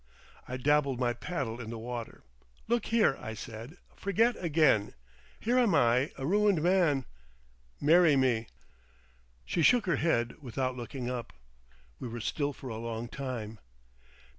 I dabbled my paddle in the water. "Look here!" I said; "forget again! Here am I—a ruined man. Marry me." She shook her head without looking up. We were still for a long time.